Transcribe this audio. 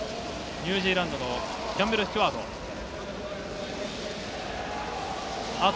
ニュージーランドのキャンベル・スチュワート。